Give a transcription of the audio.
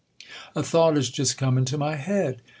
A thought is just come into my head.